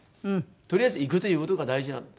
「とりあえず行くという事が大事なんだ」と。